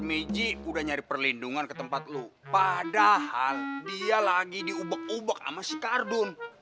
meji udah nyari perlindungan ke tempat lu padahal dia lagi diubek ubek sama si kardun